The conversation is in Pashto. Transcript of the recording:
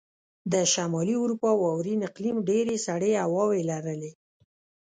د شمالي اروپا واورین اقلیم ډېرې سړې هواوې لرلې.